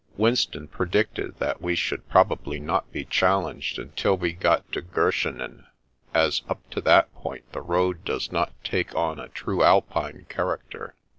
Winston predicted that we should probably not be challenged until we got to Goschenen, as up to that point the road does not take on a true Alpine character.